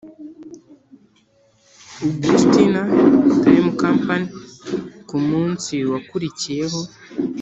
ugustina time company kumunsi wakurikiyeho